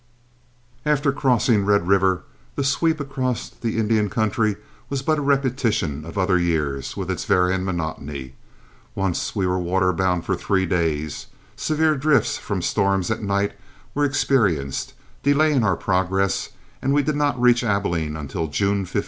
After crossing Red River, the sweep across the Indian country was but a repetition of other years, with its varying monotony. Once we were waterbound for three days, severe drifts from storms at night were experienced, delaying our progress, and we did not reach Abilene until June 15.